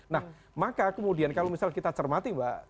nah maka kemudian kalau misal kita cermati mbak